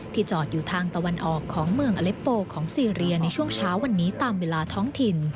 จอดอยู่ทางตะวันออกของเมืองอเล็ปโปของซีเรียในช่วงเช้าวันนี้ตามเวลาท้องถิ่น